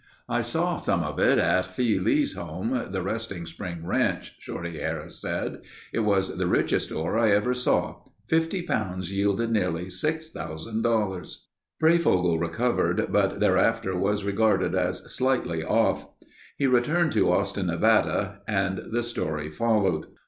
"I saw some of it at Phi Lee's home, the Resting Spring Ranch," Shorty Harris said. "It was the richest ore I ever saw. Fifty pounds yielded nearly $6000." Breyfogle recovered, but thereafter was regarded as slightly "off." He returned to Austin, Nevada, and the story followed.